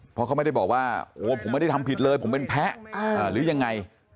เพราะเขาไม่ได้บอกว่าโอ้ผมไม่ได้ทำผิดเลยผมเป็นแพ้หรือยังไง